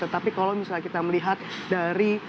tetapi kalau misalnya kita melihat dari